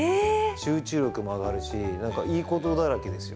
集中力も上がるし、なんかいいことだらけですよ。